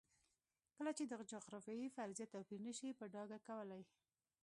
کله چې د جغرافیې فرضیه توپیر نه شي په ډاګه کولی.